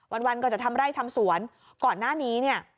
วันวันก็จะทำไร่ทำสวนก่อนหน้านี้เนี่ย